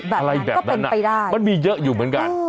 แบบนั้นก็เป็นไปได้อะไรแบบนั้นมันมีเยอะอยู่เหมือนกัน